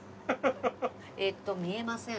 えっと見えません。